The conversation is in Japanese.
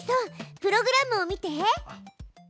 プログラムを見て。